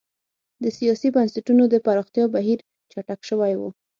د سیاسي بنسټونو د پراختیا بهیر چټک شوی و.